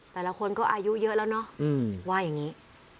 หลายคนก็อายุเยอะแล้วว่าอย่างนี้